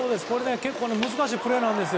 結構難しいプレーなんですよ。